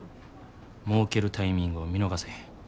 もうけるタイミングを見逃せへん。